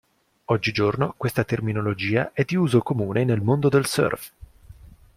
Oggigiorno questa terminologia è di uso comune nel mondo del surf.